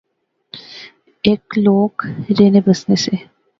ہیک لوک رہنے بسنے سے